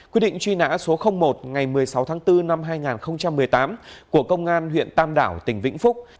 quyết định truy nã số một ngày một mươi sáu tháng bốn năm hai nghìn một mươi tám của công an huyện tam đảo tỉnh vĩnh phúc